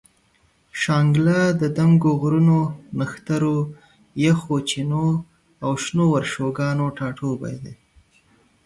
شانګله د دنګو غرونو، نخترو، یخو چینو او شنو ورشوګانو ټاټوبے دے